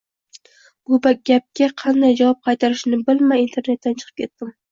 Bu gapga qanday javob qaytarishni bilmay, internetdan chiqib ketdim